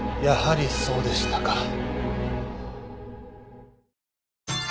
やはりそうでしたか。